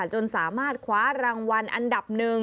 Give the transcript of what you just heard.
จนสามารถขวารางวัลอันดับ๑